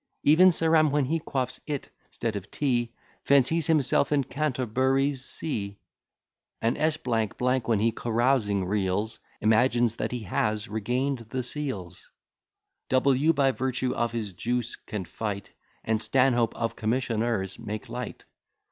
Ev'n Sarum, when he quaffs it'stead of tea, Fancies himself in Canterbury's see, And S, when he carousing reels, Imagines that he has regain'd the seals: W, by virtue of his juice, can fight, And Stanhope of commissioners make light.